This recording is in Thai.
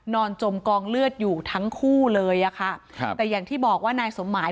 จมกองเลือดอยู่ทั้งคู่เลยอะค่ะครับแต่อย่างที่บอกว่านายสมหมาย